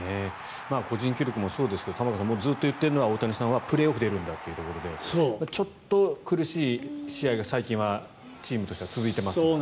個人記録もそうですが玉川さん、ずっと言っているのは大谷さんはプレーオフに出るんだっていうところでちょっと苦しい試合が最近はチームとして続いていました。